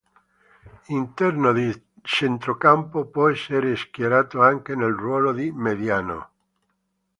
Interno di centrocampo può essere schierato anche nel ruolo di mediano.